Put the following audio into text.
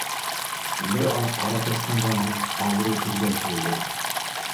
Бер аҙ ҡарап ятҡандан һуң, ауырыу телгә килде: